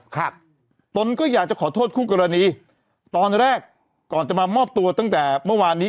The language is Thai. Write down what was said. ครับตนก็อยากจะขอโทษคู่กรณีตอนแรกก่อนจะมามอบตัวตั้งแต่เมื่อวานนี้